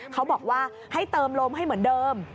เขาบอกว่าให้เติมลมให้เหมือนเดิม